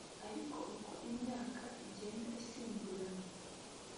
Ariko uko imyaka igenda isimburana